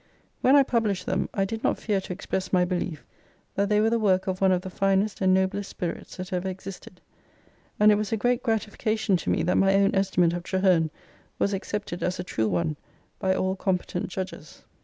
When I published them I did not fear to express my belief that they were the work of one of the finest and noblest spirits that ever existed, and it was a great gratification to me that my own estimate of Traherne was accepted as a true one by all competent judges.